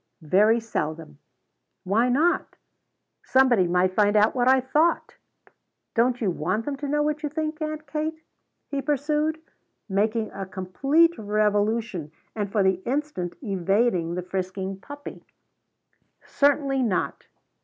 "Very seldom." "Why not?" "Somebody might find out what I thought." "Don't you want them to know what you think, Aunt Kate?" he pursued, making a complete revolution and for the instant evading the frisking puppy. "Certainly not."